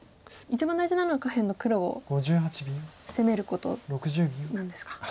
一番大事なのは下辺の黒を攻めることなんですか。